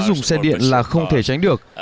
dùng xe điện là không thể tránh được